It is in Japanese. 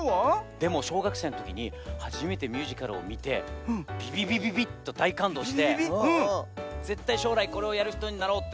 でもしょうがくせいのときにはじめてミュージカルをみてビビビビビッとだいかんどうしてぜったいしょうらいこれをやるひとになろうってきめたんだよね。